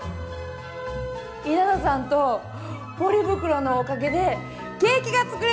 稲田さんとポリ袋のおかげでケーキが作れました。